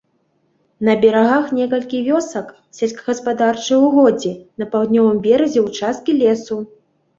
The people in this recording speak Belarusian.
На берагах некалькі вёсак, сельскагаспадарчыя ўгоддзі, на паўднёвым беразе ўчасткі лесу.